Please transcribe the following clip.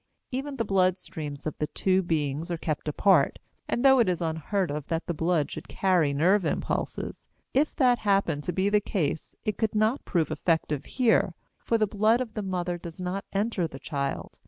Even the blood streams of the two beings are kept apart; and though it is unheard of that the blood should carry nerve impulses, if that happened to be the case, it could not prove effective here, for the blood of the mother does not enter the child.